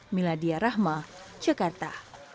miladya rahma jakarta